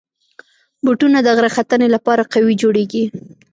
بوټونه د غره ختنې لپاره قوي جوړېږي.